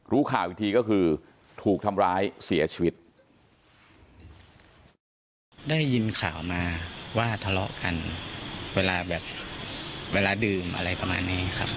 รู้ข่าวอีกทีก็คือถูกทำร้ายเสียชีวิตได้ยินข่าวมาว่าทะเลาะกันเวลาแบบเวลาดื่มอะไรประมาณนี้ครับ